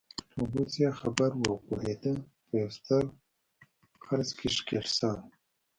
خو بوسیا خبر و او پوهېده په یوه ستر قرض کې ښکېل شوی.